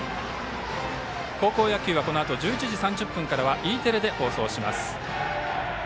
高校野球はこのあと１１時３０分からはＥテレで放送します。